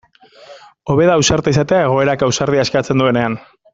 Hobe da ausarta izatea egoerak ausardia eskatzen duenean.